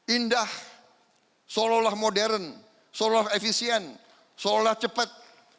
indah seolah olah modern seolah olah efisien seolah cepat